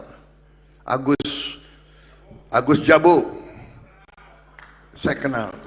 pak agus jabu saya kenal semua